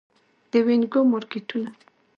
د وینګو مارکیټونه